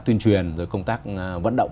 tuyên truyền công tác vận động